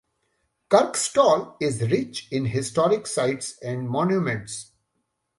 Kirkstall is rich in historic sites and monuments.